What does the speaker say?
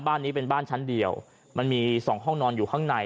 บ้านนี้เป็นบ้านชั้นเดียวมันมีสองห้องนอนอยู่ข้างใน